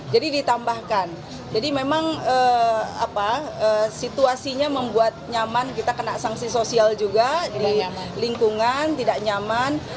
jadi ditambahkan jadi memang situasinya membuat nyaman kita kena sanksi sosial juga di lingkungan tidak nyaman